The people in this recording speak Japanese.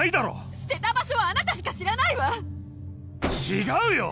捨てた場所はあなたしか知らないわ違うよ